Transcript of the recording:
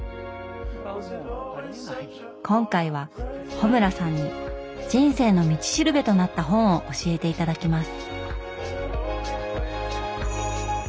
今回は穂村さんに「人生の道しるべ」となった本を教えて頂きます。